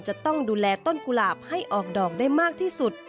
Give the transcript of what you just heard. จะต้องดูแลต้นกุหลาบให้ออกดอกได้มากที่สุด